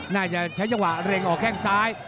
น่าจะใช้เฉพาะเร่งออกแค่งซ้าย